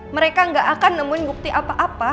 mereka nggak akan nemuin bukti apa apa